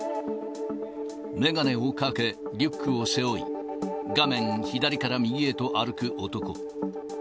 眼鏡をかけ、リュックを背負い、画面左から右へと歩く男。